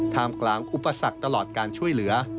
มกลางอุปสรรคตลอดการช่วยเหลือ